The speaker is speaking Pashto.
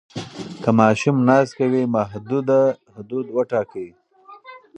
که ماشوم ناز کوي، محدوده حدود وټاکئ.